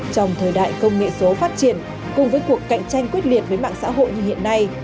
trong thời đại công nghệ số phát triển cùng với cuộc cạnh tranh quyết liệt với mạng xã hội như hiện nay